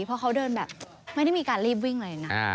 เพราะเขาเดินแบบไม่ได้มีการรีบวิ่งเลยนะ